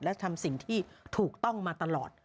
และทำสิ่งที่ถูกต้องมาตลอด